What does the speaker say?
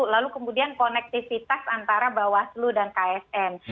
lalu kemudian konektivitas antara bawaslu dan ksn